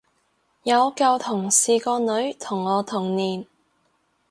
有舊同事個女同我同年